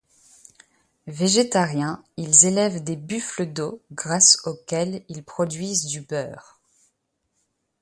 Végétariens, ils élèvent des buffles d'eau grâce auxquels ils produisent du beurre.